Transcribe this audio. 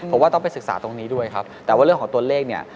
ผมว่าต้องไปศึกษาตรงนี้ด้วยครับแต่ว่าเรื่องของตัวเลขเนี่ย